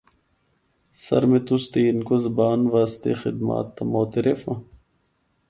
سر میں تسدی ہندکو زبان واسطے خدمات دا معترف ہاں۔